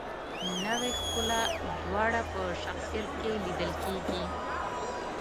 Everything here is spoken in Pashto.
نوې ښکلا دواړه په شخصیت کې لیدل کیږي.